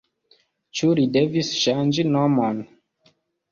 Ĉu li devis ŝanĝi nomon?